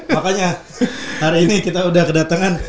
makanya hari ini kita udah kedatangan